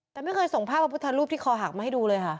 แต่ไม่เคยส่งภาพพระพุทธรูปที่คอหักมาให้ดูเลยค่ะ